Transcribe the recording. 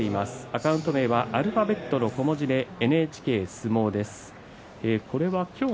アカウント名はアルファベットの小文字でｎｈｋｓｕｍｏです。